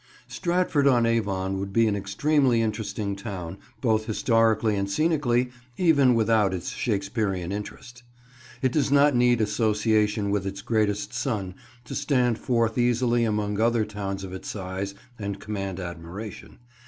STRATFORD ON AVON would be an extremely interesting town, both historically and scenically, even without its Shakespearean interest. It does not need association with its greatest son to stand forth easily among other towns of its size and command admiration.